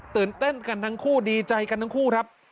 ตื่นเต้นกันทั้งคู่ดีใจกันทั้งคู่ครับ